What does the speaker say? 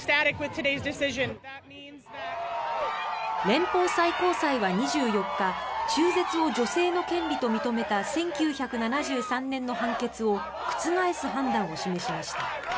連邦最高裁は２４日中絶を女性の権利と認めた１９７３年の判決を覆す判断を示しました。